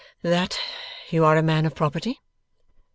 'That you are a man of property?